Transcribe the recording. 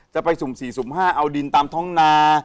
ไปสุ่ม๔สุ่ม๕เอาดินตามท้องนา